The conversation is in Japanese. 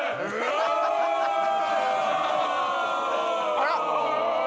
あら？